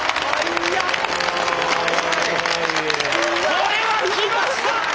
これはきました！